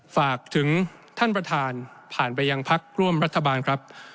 ฝากถึงท่านประธานผ่านไปยังพักร่วมรัฐบาลครับ